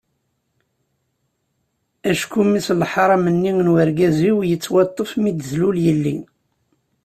Acku mmi-s n leḥram-nni n urgaz-iw yettwaṭṭef mi d-tlul kan yelli.